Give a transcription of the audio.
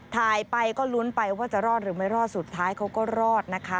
ถ่ายไปก็ลุ้นไปว่าจะรอดหรือไม่รอดสุดท้ายเขาก็รอดนะคะ